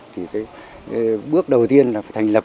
thì cái bước đầu tiên là phải thành lập